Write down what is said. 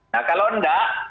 nah kalau tidak